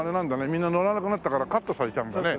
みんな乗らなくなったからカットされちゃうんだね。